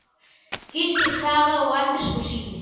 Que se faga o antes posible.